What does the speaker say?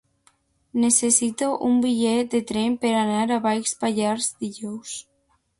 Necessito un bitllet de tren per anar a Baix Pallars dijous.